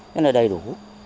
rất là đầy đủ